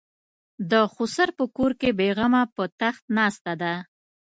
د خسر په کور کې بې غمه په تخت ناسته ده.